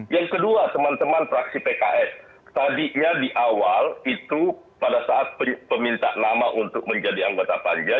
yang kedua teman teman fraksi pks tadinya di awal itu pada saat peminta nama untuk menjadi anggota panja